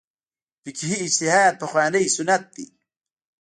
فقهي اجتهاد پخوانی سنت دی.